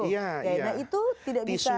nah itu tidak bisa